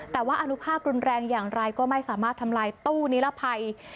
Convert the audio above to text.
แต่ว่าอนุภาพรุนแรงอย่างไรก็ไม่สามารถทำลายตู้นิรภัย